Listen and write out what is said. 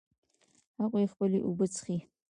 هغوی خپلې اوبه څښي